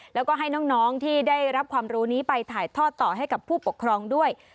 แล้วก็ให้น้องที่ได้รับความรู้นี้ไปถ่ายทอดต่อให้กับผู้ปกครองด้วย